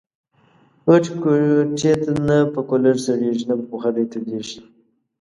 غټي کوټې نه په کولرسړېږي ، نه په بخارۍ تودېږي